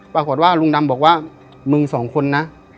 ปรากฏว่าลุงดำบอกว่ามึงสองคนนะ